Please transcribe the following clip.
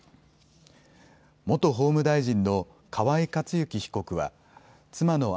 元法務大臣の河井克行被告は妻の案